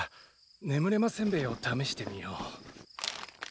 眠れませんべいをためしてみよう。